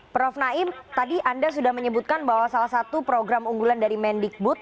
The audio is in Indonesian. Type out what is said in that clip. prof naim tadi anda sudah menyebutkan bahwa salah satu program unggulan dari mendikbud